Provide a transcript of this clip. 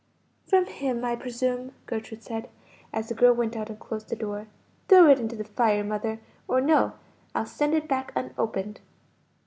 "From him, I presume," Gertrude said, as the girl went out and closed the door. "Throw it into the fire, mother, or no; I'll send it back unopened."